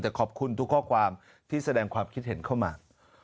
แต่ขอบคุณทุกข้อความที่แสดงความคิดเห็นเข้ามา